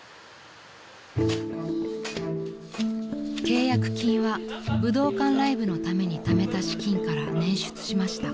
［契約金は武道館ライブのためにためた資金から捻出しました］